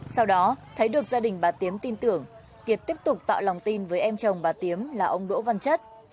sau đó thấy được gia đình bà tiến tin tưởng kiệt tiếp tục tạo lòng tin với em chồng bà tiến là ông đỗ văn chất